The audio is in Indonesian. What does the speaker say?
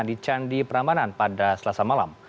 di candi prambanan pada selasa malam